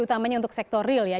utamanya untuk sektor real ya